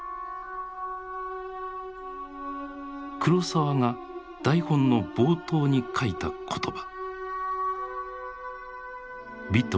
黒澤が台本の冒頭に書いた言葉。